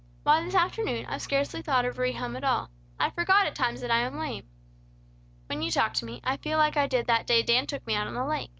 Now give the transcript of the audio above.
Why this afternoon, I've scarcely thought of Rehum at all. I forgot at times that I am lame. When you talk to me, I feel like I did that day Dan took me out on the lake.